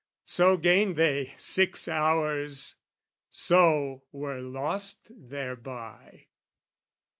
So gained they six hours, so were lost thereby.